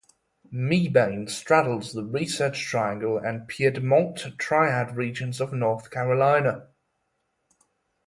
Mebane straddles the Research Triangle and Piedmont Triad Regions of North Carolina.